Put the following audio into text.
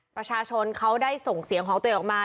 ประชาชนเขาได้ส่งเสียงของตัวเองออกมา